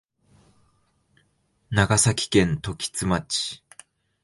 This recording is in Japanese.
長崎県時津町